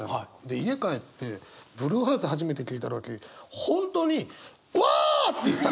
家帰ってブルーハーツ初めて聴いた時本当に「わあぁぁ！」って言ったもん。